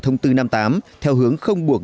thông tư năm mươi tám theo hướng không buộc